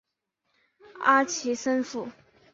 阿奇森府。